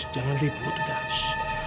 jangan ribut udah